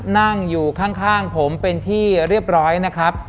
นั่งอยู่ข้างผมเป็นที่เรียบร้อยนะครับ